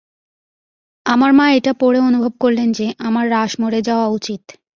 আমার মা এটা পড়ে অনুভব করলেন যে আমার রাশমোর এ যাওয়া উচিৎ।